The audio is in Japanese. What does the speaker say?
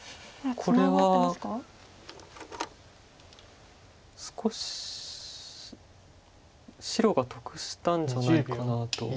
これは少し白が得したんじゃないかなと。